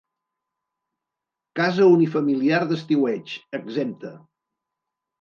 Casa unifamiliar d'estiueig, exempta.